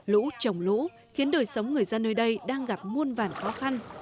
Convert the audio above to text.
lũ trồng lũ khiến đời sống người dân nơi đây đang gặp muôn vàn khó khăn